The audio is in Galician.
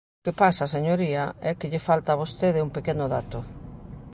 O que pasa, señoría, é que lle falta a vostede un pequeno dato.